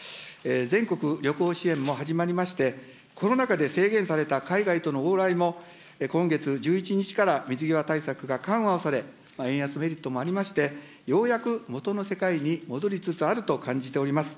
全国旅行支援も始まりまして、コロナ禍で制限された海外との往来も、今月１１日から水際対策が緩和をされ、円安メリットもありまして、ようやく元の世界に戻りつつあると感じております。